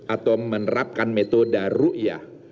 atau menerapkan metode ru'yah